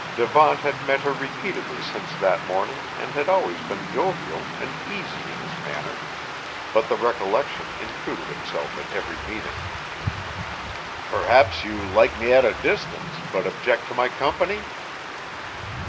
Devant had met her repeatedly since that morning and had always been jovial and easy in his manner, but the recollection intruded itself at every meeting. "Perhaps you like me at a distance, but object to my company?"